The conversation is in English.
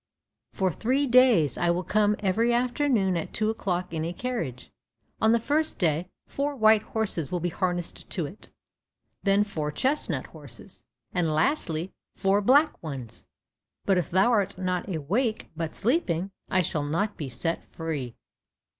For three days I will come every afternoon at two o'clock in a carriage. On the first day four white horses will be harnessed to it, then four chestnut horses, and lastly four black ones; but if thou art not awake, but sleeping, I shall not be set free."